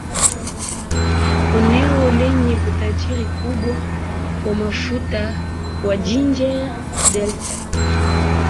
eneo lenye utajiri mkubwa wa mafuta wa niger delta